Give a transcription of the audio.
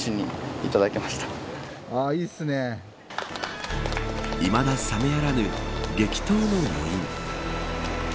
いまだ覚めやらぬ激闘の余韻。